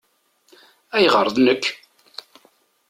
Ayɣeṛ d nekk?